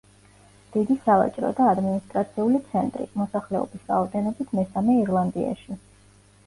დიდი სავაჭრო და ადმინისტრაციული ცენტრი, მოსახლეობის რაოდენობით მესამე ირლანდიაში.